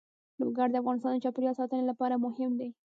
لوگر د افغانستان د چاپیریال ساتنې لپاره مهم دي.